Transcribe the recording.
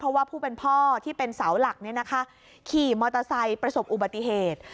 เพราะว่าผู้เป็นพ่อที่เป็นเสาหลักขี่มอเตอร์ไซค์ประสบอุบัติเหตุ